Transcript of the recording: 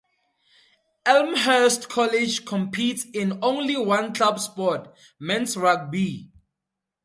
Elmhurst College competes in only one club sport, men's rugby.